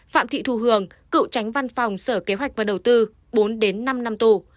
phạm thị thu hường cựu tránh văn phòng sở kế hoạch và đầu tư bốn đến năm năm tù